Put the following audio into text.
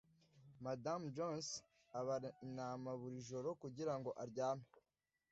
Madamu Jones abara intama buri joro kugirango aryame